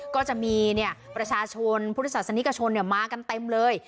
ก็จะมีประชาชนพุทธศาสนิกชนมากันเต็มเลย